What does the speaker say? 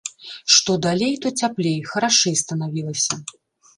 Што далей, то цяплей, харашэй станавілася.